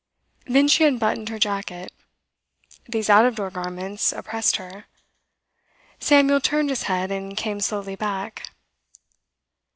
Then she unbuttoned her jacket. These out of door garments oppressed her. Samuel turned his head and came slowly back.